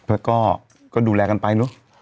แล้วก็ดูแลกันไปเนอะ